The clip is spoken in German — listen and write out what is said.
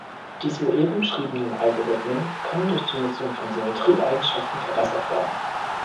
Die soeben beschriebenen Algorithmen können durch die Nutzung von Symmetrieeigenschaften verbessert werden.